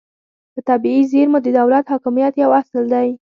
په طبیعي زیرمو د دولت حاکمیت یو اصل دی